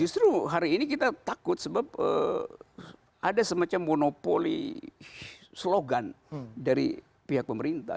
justru hari ini kita takut sebab ada semacam monopoli slogan dari pihak pemerintah